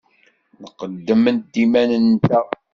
Nqeddem-d iman-nteɣ.